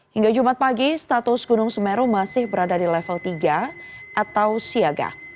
hingga jumat pagi status gunung semeru masih berada di level tiga atau siaga